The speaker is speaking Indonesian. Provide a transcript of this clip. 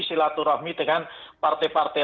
silaturahmi dengan partai partai